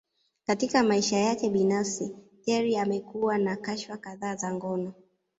Katika maisha yake binafsi, Kelly amekuwa na kashfa kadhaa za ngono.